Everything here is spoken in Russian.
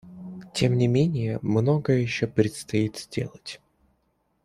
Тем не менее, многое еще предстоит сделать.